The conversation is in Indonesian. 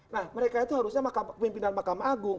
nah mereka itu harusnya pemimpinan makam agung